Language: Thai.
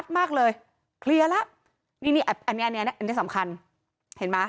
มากเลยเคลียร์ละนี่นี่อันนี้อันนี้อันนี้สำคัญเห็นมา